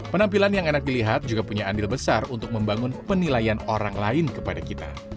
penampilan yang enak dilihat juga punya andil besar untuk membangun penilaian orang lain kepada kita